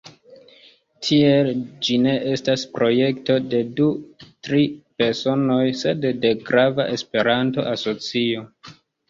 Tiel ĝi ne estas projekto de du-tri personoj, sed de grava Esperanto-asocio.